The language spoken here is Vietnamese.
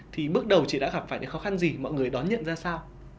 thì bước đầu chị đã gặp phải những khó khăn gì mọi người đón nhận ra sao